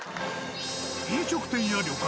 飲食店や旅館